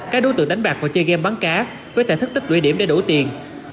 các đối tượng đánh bạc vào chơi game bắn cá với thể thức tích luyện điểm để đổ tiền